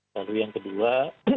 lalu yang kedua